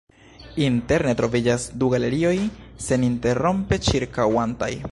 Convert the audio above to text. Interne troviĝas du galerioj seninterrompe ĉirkaŭantaj.